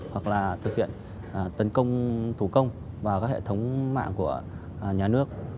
hoặc là thực hiện tấn công thủ công vào các hệ thống mạng của nhà nước